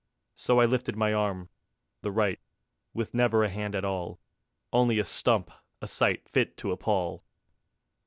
So I lifted my arm, the right, With never a hand at all; Only a stump, a sight Fit to appal.